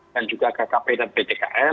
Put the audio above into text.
dan juga kkp dan ptkl